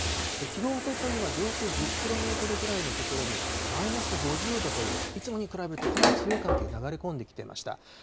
きのう、おとといは上空１０キロメートルくらいの所に、マイナス５０度という、いつもに比べるとかなり強い寒気が流れ込んできていました。